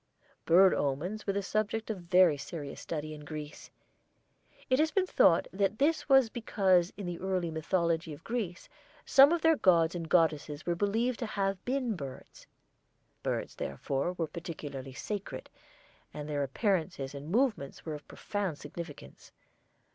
Bird omens were the subject of very serious study in Greece. It has been thought that this was because in the early mythology of Greece some of their gods and goddesses were believed to have been birds. Birds, therefore, were particularly sacred, and their appearances and movements were of profound significance.